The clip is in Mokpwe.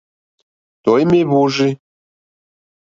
Tɔ̀ímá èhwórzí.